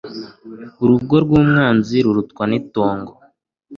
urugo rw'umwanzi rurutwa n'itongo